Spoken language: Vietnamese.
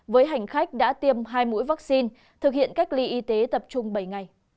với hành khách đã tiêm hai mũi vaccine thực hiện cách ly y tế tập trung bảy ngày